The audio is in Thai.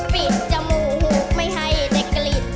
ปิดจมูกหูกไม่ให้ได้กลิ่น